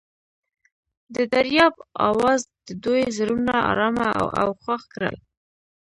د دریاب اواز د دوی زړونه ارامه او خوښ کړل.